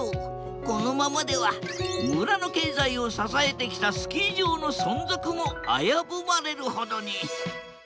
このままでは村の経済を支えてきたスキー場の存続も危ぶまれるほどに。